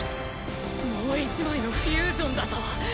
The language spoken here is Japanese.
もう１枚のフュージョンだと！